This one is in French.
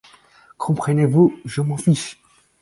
Comprenez-vous, je m'en fiche !